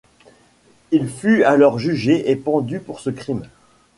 Il fut alors jugé et pendu pour ce crime.